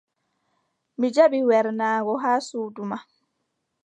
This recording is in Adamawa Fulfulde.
Mi jaɓi wernaago haa suudu ma.